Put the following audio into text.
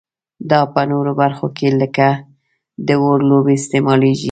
دا په نورو برخو کې لکه د اور لوبې استعمالیږي.